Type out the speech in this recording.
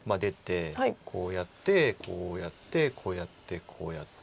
こうやってこうやってこうやってこうやって。